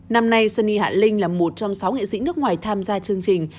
năm nay sunny hạ linh là một trong sáu nghệ sĩ nước ngoài tham gia chương trình